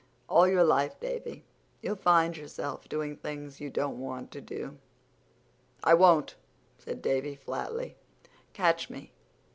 "All your life, Davy, you'll find yourself doing things you don't want to do." "I won't," said Davy flatly. "Catch me!